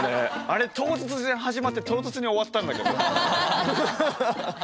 あれ唐突に始まって唐突に終わったんだけど。